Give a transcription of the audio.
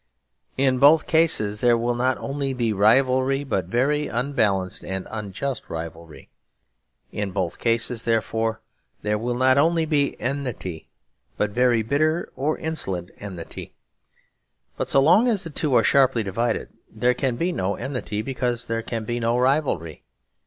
In both cases there will not only be rivalry but very unbalanced and unjust rivalry; in both cases, therefore, there will not only be enmity but very bitter or insolent enmity. But so long as the two are sharply divided there can be no enmity because there can be no rivalry.